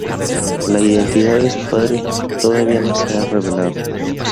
La identidad de su padre todavía no se ha revelado.